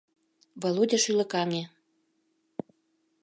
Володя шӱлыкаҥе.